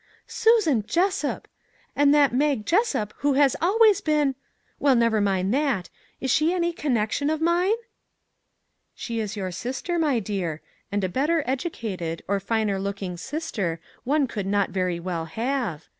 " Susan Jes sup! and that Mag Jessup who has always been well, never mind what, is she any con nection of mine? "" She is your sister, my dear, and a better educated or finer looking sister one could not very well have.